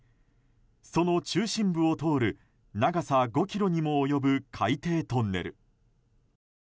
その中心部を通る長さ５ｋｍにも及ぶ海底トンネル。